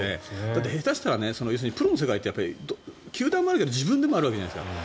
だって下手したらプロの世界って球団でもあり自分でもあるわけじゃないですか。